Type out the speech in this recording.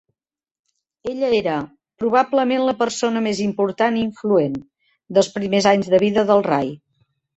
Ella era "probablement la persona més important i influent" dels primers anys de vida del Ray.